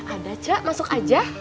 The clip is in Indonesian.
ada cak masuk aja